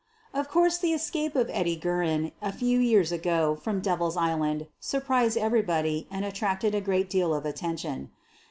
Of course, the escape of Eddie Guerin, a few years ago from Devil 's Island surprised everybody and attracted a great deal of attention.